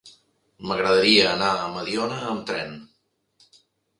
M'agradaria anar a Mediona amb tren.